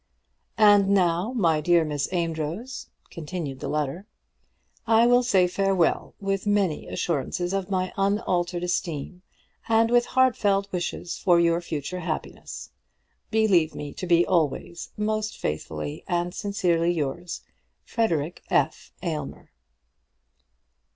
"And now, my dear Miss Amedroz," continued the letter, I will say farewell, with many assurances of my unaltered esteem, and with heartfelt wishes for your future happiness. Believe me to be always, Most faithfully and sincerely yours, FREDERIC F. AYLMER.